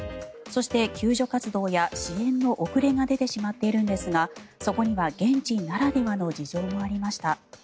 そして、救助活動や支援の遅れが出てしまっているんですがそこには現地ならではの事情がありました。